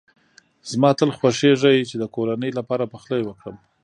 زما تل خوښېږی چي د کورنۍ لپاره پخلی وکړم.